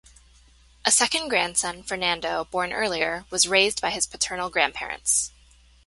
A second grandson, Fernando, born earlier, was raised by his paternal grandparents.